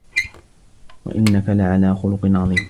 وَإِنَّكَ لَعَلى خُلُقٍ عَظيمٍ